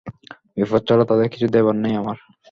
বিপদ ছাড়া তাদের কিছুই দেবার নেই আমার।